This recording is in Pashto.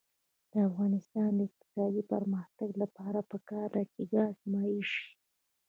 د افغانستان د اقتصادي پرمختګ لپاره پکار ده چې ګاز مایع شي.